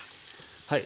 はい。